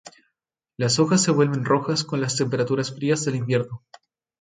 Las hojas se vuelven rojas con las temperaturas frías del invierno.